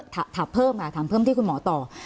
ถามเพิ่มค่ะถามเพิ่มที่คุณหมอต่อ